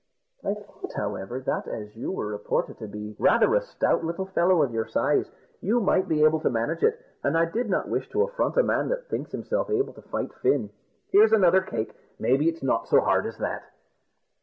I thought, however, that, as you were reported to be rather a stout little fellow of your size, you might be able to manage it, and I did not wish to affront a man that thinks himself able to fight Fin. Here's another cake maybe it's not so hard as that."